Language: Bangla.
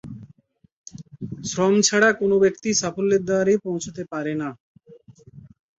শ্রম ছাড়া কোনো ব্যক্তি সাফল্যের দ্বারে পৌছতে পারে না।